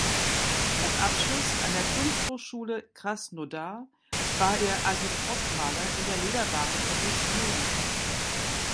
Nach Abschluss an der Kunsthochschule Krasnodar war er Agitprop-Maler in der Lederwarenfabrik Smirnov.